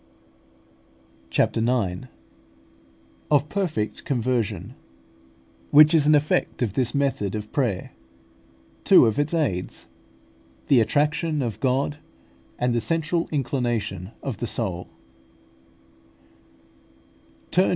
CHAPTER IX. OF PERFECT CONVERSION, WHICH IS AN EFFECT OF THIS METHOD OF PRAYER TWO OF ITS AIDS, THE ATTRACTION OF GOD, AND THE CENTRAL INCLINATION OF THE SOUL.